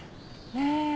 ねえ。